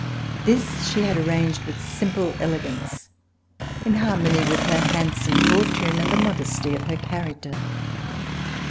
This she had arranged with simple elegance, in harmony with her handsome fortune and the modesty of her character.